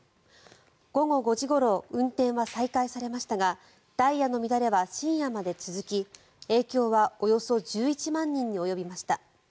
午後５時ごろ運転は再開されましたがダイヤの乱れは深夜まで続き影響はおよそ１１万人に及びました。